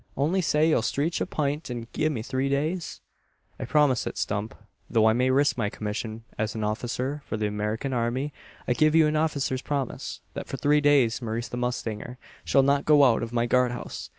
Only say ye'll streetch a pint, an gi' me three days?" "I promise it, Mr Stump. Though I may risk my commission as an officer in the American army, I give you an officer's promise, that for three days Maurice the Mustanger shall not go out of my guard house.